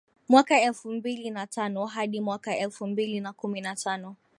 mwaka elfu mbili na tano hadi mwaka elfu mbili na kumi na tano